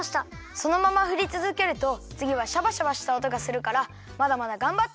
そのままふりつづけるとつぎはシャバシャバしたおとがするからまだまだがんばって。